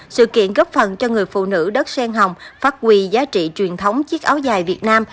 sự kiện góp phần cho người phụ nữ đất sen hồng phát huy giá trị truyền thống chiếc áo dài việt nam